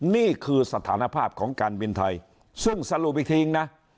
นี่คือสถานภาพของการบินไทยซึ่งสรุปอีกทีนะ